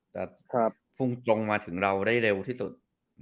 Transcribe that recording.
แต่พุ่งตรงมาถึงเราได้เร็วที่สุด